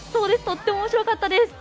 とても面白かったです。